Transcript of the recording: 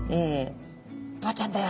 「ボウちゃんだよ」